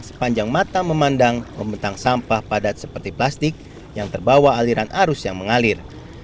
sepanjang mata memandang membentang sampah padat seperti plastik yang terbawa aliran arus yang mengalir